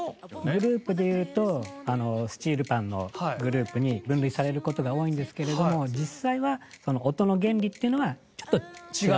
グループで言うとスティールパンのグループに分類される事が多いんですけれども実際は音の原理っていうのはちょっと違うんですけれどもね。